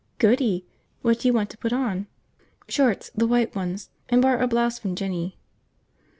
"Goody. What do you want to put on?" "Shorts. The white ones. And borrow a blouse from Jinny."